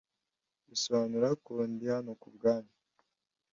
Bisobanura ko ndi hano kubwanyu